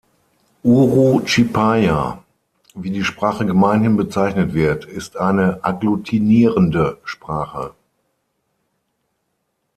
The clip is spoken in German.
Uru-Chipaya, wie die Sprache gemeinhin bezeichnet wird, ist eine agglutinierende Sprache.